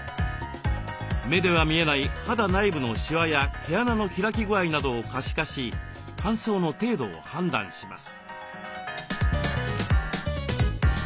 目では見えない肌内部のしわや毛穴の開き具合などを可視化し乾燥の程度を判断します。